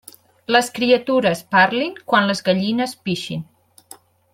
Les criatures parlin quan les gallines pixin.